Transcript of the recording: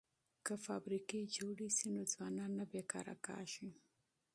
که فابریکې جوړې شي نو ځوانان نه بې کاره کیږي.